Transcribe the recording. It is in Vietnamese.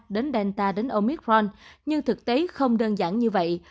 đến delta đến omicron nhưng thực tế không đơn giản như vậy